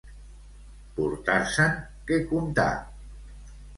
Portar-se'n que contar.